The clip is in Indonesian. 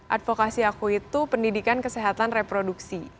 advokasi aku itu pendidikan kesehatan reproduksi